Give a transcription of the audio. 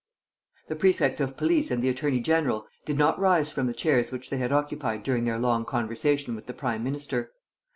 The prefect of police and the attorney general did not rise from the chairs which they had occupied during their long conversation with the prime minister.